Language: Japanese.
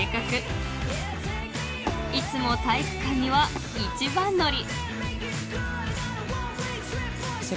［いつも体育館には一番乗り］